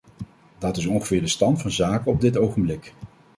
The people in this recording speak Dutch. Dat is ongeveer de stand van zaken op dit ogenblik.